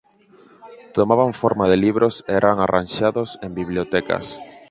Tomaban forma de libros e eran arranxados en bibliotecas.